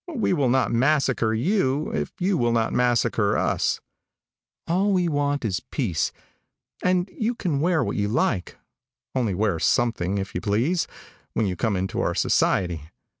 We will not massacre you if you will not massacre us. All we want is peace, and you can wear what you like, only wear something, if you please, when you come into our society.